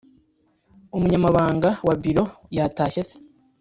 Umunyamabanga wa Biro yatashye se